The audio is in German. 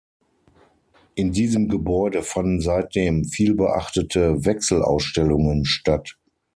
In diesem Gebäude fanden seitdem vielbeachtete Wechselausstellungen statt.